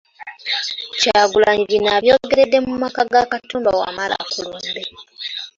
Kyagulanyi bino abyogeredde mu maka ga Katumba Wamala ku lumbe .